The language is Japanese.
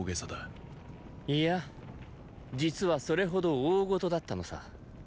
いや実はそれほど大事だったのさ。